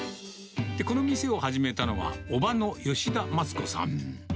この店を始めたのは、伯母の吉田松子さん。